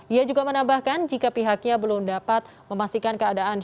ia juga menambahkan jika pihaknya belum dapat memastikan keadaan